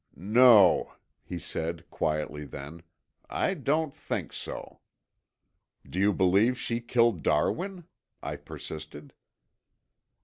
"No," he said quietly then, "I don't think so." "Do you believe she killed Darwin?" I persisted.